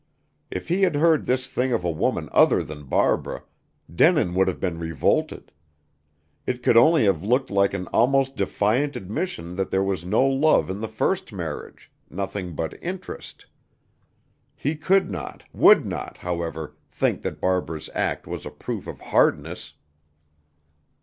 If he had heard this thing of a woman other than Barbara, Denin would have been revolted. It could only have looked like an almost defiant admission that there was no love in the first marriage nothing but interest. He could not, would not, however, think that Barbara's act was a proof of hardness.